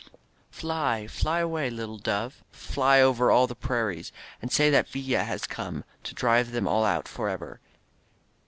Fly, fly away, little dove. Fly over all the prairies. And say that Villa has come To drive them all out forever.